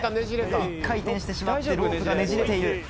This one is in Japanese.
１回転してしまってロープがねじれている・